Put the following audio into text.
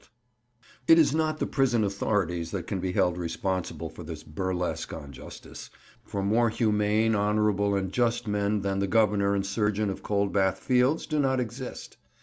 Corroborative evidence] It is not the prison authorities that can be held responsible for this burlesque on justice, for more humane, honourable, and just men than the Governor and Surgeon of Coldbath Fields do not exist.